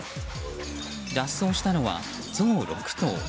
脱走したのはゾウ６頭。